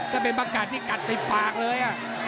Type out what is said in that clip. กำจัดที่กัดใส่ปากเลย